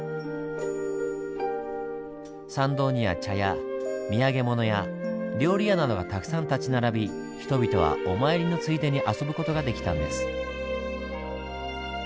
参道には茶屋土産物屋料理屋などがたくさん立ち並び人々はお参りのついでに遊ぶ事ができたんです。